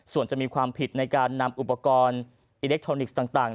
ส่วนจะมีความผิดในการนำอุปกรณ์อิเล็กทรอนิกส์ต่าง